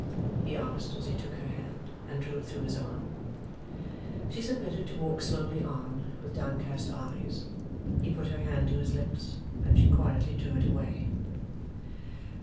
he asked, as he took her hand and drew it through his arm. She submitted to walk slowly on, with downcast eyes. He put her hand to his lips, and she quietly drew it away.